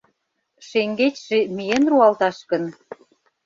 — «Шеҥгечше миен руалташ гын?